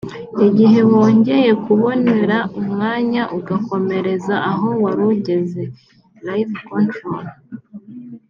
igihe wongeye kubonera umwanya ugakomereza aho wari ugeze (live Control)